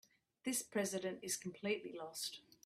This president is completely lost.